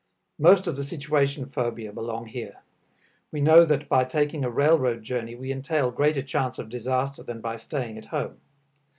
Most of the situation phobia belong here. We know that by taking a railroad journey we entail greater chance of disaster than by staying at home.